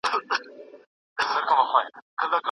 د بل چا پر علمي کار سالمه نیوکه کول هېڅ بد کار نه دی.